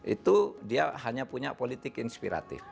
itu dia hanya punya politik inspiratif